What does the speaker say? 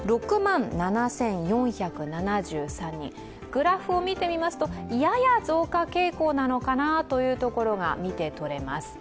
グラフを見てみますと、やや増加傾向なのかなというところが見てとれます。